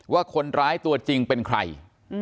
ว่าคนร้ายตัวจริงเป็นใคร